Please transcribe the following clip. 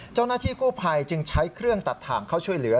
เจ้าหน้าที่กู้ภัยจึงใช้เครื่องตัดถ่างเข้าช่วยเหลือ